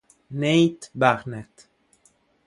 Nate Barnett